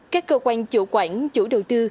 các cơ quan chủ quản chủ đầu tư